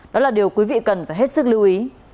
đó là điều quý vị cần phải hết sức lưu ý